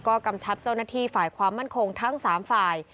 ก็กำชับเจ้าหน้าที่ฝ่ายความมั่นคงทั้ง๓ฝ่าย